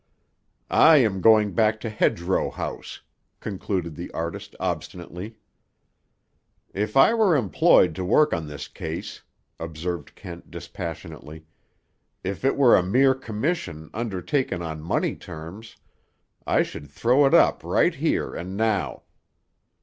"I am going back to Hedgerow House," concluded the artist obstinately. "If I were employed to work on this case," observed Kent dispassionately; "if it were a mere commission, undertaken on money terms, I should throw it up right here and now."